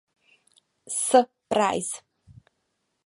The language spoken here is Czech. S. Peirce.